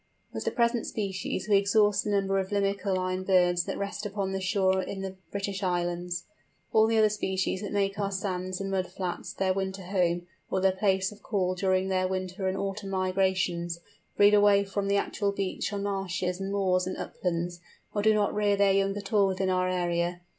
With the present species we exhaust the number of Limicoline birds that nest upon the shore in the British Islands. All the other species that make our sands and mud flats their winter home, or their place of call during their spring and autumn migrations, breed away from the actual beach on marshes and moors and uplands, or do not rear their young at all within our area.